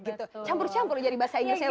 jangan lupa cara memgesa bisa ke myself